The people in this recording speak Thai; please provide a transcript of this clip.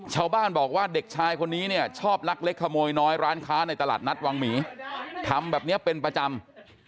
ชาวบ้านบอกว่าเด็กชายคนนี้เนี่ยชอบลักเล็กขโมยน้อยร้านค้าในตลาดนัดวังหมีทำแบบนี้เป็นประจำ